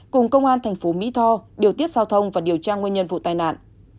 cùng công an tp mỹ tho điều tiết giao thông và điều tra nguyên nhân vụ tai nạn